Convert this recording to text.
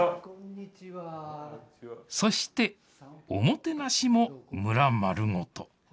そして、おもてなしも村まるごと。